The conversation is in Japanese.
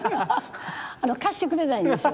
貸してくれないんですよ。